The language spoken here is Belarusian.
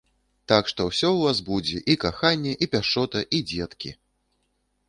Так што ўсё ў вас будзе, і каханне, і пяшчота, і дзеткі!